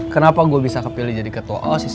kenapa gue bisa kepilih jadi ketua osc